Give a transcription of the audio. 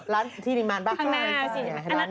ร้านที่ดิมมานบ้างก่อน